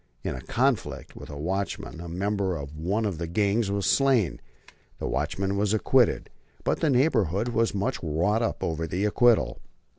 In a conflict with a watchman a member of one of the gangs was slain. The watchman was acquitted, but the neighborhood was much wrought up over the acquittal.